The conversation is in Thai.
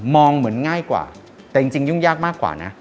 เหมือนง่ายกว่าแต่จริงยุ่งยากมากกว่านะ